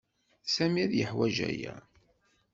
Sami ad yeḥwij aya.